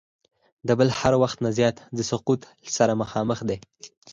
د بل هر وخت نه زیات د سقوط سره مخامخ دی.